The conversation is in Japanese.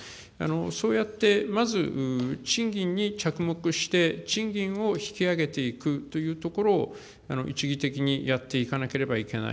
そうやってまず、賃金に着目して、賃金を引き上げていくというところを一義的にやっていかなければいけない。